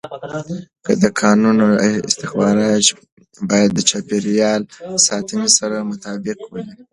د کانونو استخراج باید د چاپېر یال ساتنې سره مطابقت ولري.